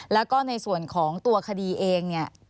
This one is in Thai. แล้วก็ในส่วนของตัวคดีเอง